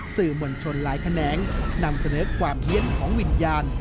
สื่อมวลชนหลายแขนงนำเสนอความเฮียนของวิญญาณ